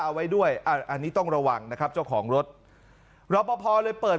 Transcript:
เอาไว้ด้วยอันนี้ต้องระวังนะครับเจ้าของรถรอปภเลยเปิด